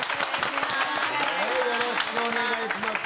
お願いします。